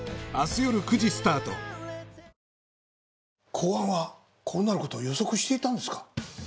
公安は、こうなることを予測していたんですか？